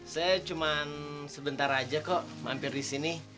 saya cuma sebentar aja kok mampir disini